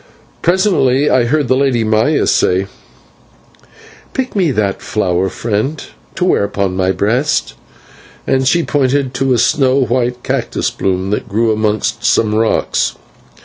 Presently I heard the Lady Maya say: "Pick me that flower, friend, to wear upon my breast," and she pointed to a snow white cactus bloom that grew amongst some rocks.